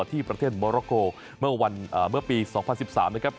ที่ประเทศมอรโกเมื่อปี๒๐๑๓นะครับ